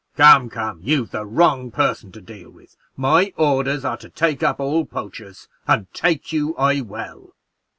Come, come, you've the wrong person to deal with; my orders are to take up all poachers, and take you I will."